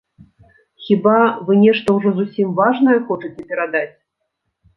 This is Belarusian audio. Хіба, вы нешта ўжо зусім важнае хочаце перадаць.